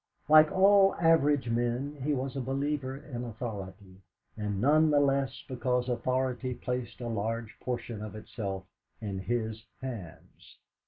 Like all average men, he was a believer in authority, and none the less because authority placed a large portion of itself in his hands.